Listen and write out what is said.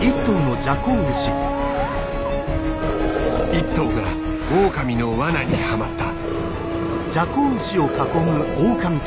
１頭がオオカミの罠にはまった。